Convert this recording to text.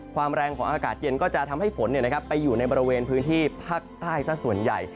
แรงของอากาศเย็นก็จะทำให้ฝนไปอยู่ในบริเวณพื้นที่ภาคใต้ซะส่วนใหญ่